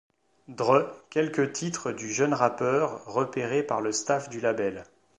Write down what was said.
Dre, quelques titres du jeune rappeur, repéré par le staff du label.